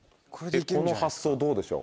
この発想どうでしょう？